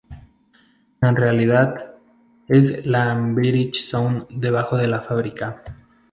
En realidad es Labyrinth Zone debajo de la fábrica.